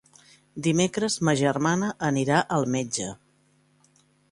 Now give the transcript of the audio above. Dimecres ma germana anirà al metge.